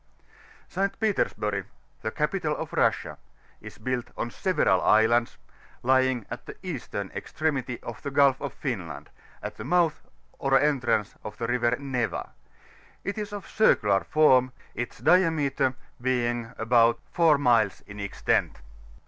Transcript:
ST. PETEaSBTmO, the camtal of Russia, is built on several islands, l^ritig'at the eastern extremity of the Gulf of Finland, at the mouth or entrance of the River Neva; it is of a circular form, its diameter being about 4 miles in ^Ktent.